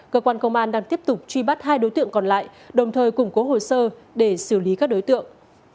cơ quan công an đang tiếp tục truy bắt hai đối tượng còn lại đồng thời củng cố hồ sơ để xử lý các đối tượng